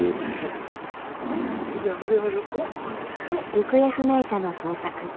行方不明者の捜索。